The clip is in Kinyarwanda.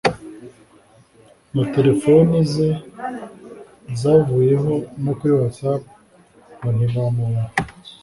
na telefoni ze zavuyeho no kuri WhatsApp ngo ntibamubona